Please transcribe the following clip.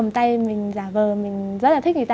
mình giả vờ mình rất là thích người ta